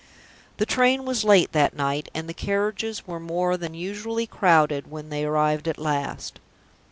The train was late that night, and the carriages were more than usually crowded when they arrived at last.